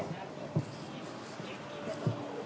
สวัสดีครับ